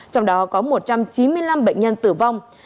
trong đó có một trăm chín mươi năm bệnh nhân tử vong